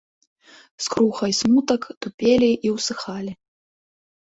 Скруха і смутак тупелі і ўсыхалі.